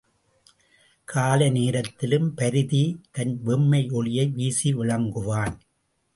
காலை நேரத்திலும் பரிதி தன் வெம்மை ஒளியை வீசி விளங்குவான்.